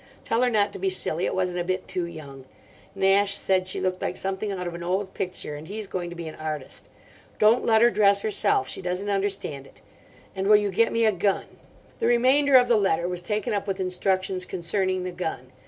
Tell her not to be silly; it wasn't a bit too young. Nash said she looked like something out of an old picture, and he's going to be an artist. Don't let her dress herself. She doesn't understand it. And will you get me a gun—" The remainder of the letter was taken up with instructions concerning the gun.